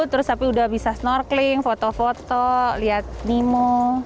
terus tapi udah bisa snorkeling foto foto lihat nemo